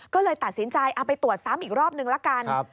ก็เลยตัดสินใจเอาไปตรวจซ้ำอีกรอบนึงละกัน